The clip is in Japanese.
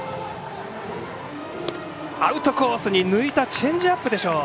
アウトコースに抜いたチェンジアップでしょう。